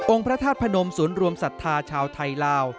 โอ่งพระธาตุพระนมสวนรวมศาสตราชาวไทยลาว